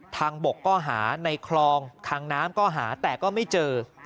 ทางบกก็หาในคลองทางน้ำก็หาแต่ก็ไม่เจอ